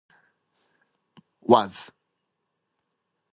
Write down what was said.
Salted meat was a staple of the mariner's diet in the Age of Sail.